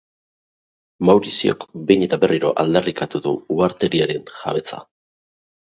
Mauriziok behin eta berriro aldarrikatu du uhartediaren jabetza.